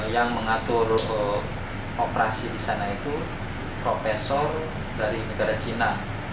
yang mengatur operasi di sana itu profesor dari negara cina